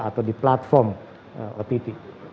atau di platform ott